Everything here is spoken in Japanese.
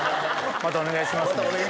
またお願いしますね。